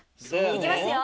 いきますよ。